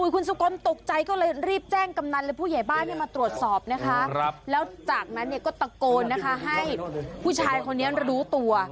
คุณสุกลตกใจก็เลยรีบแจ้งกำนันและผู้ใหญ่บ้านให้มาตรวจสอบนะคะแล้วจากนั้นเนี่ยก็ตะโกนนะคะให้ผู้ชายคนนี้รู้ตัว